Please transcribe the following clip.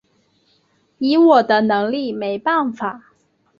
以我的能力没办法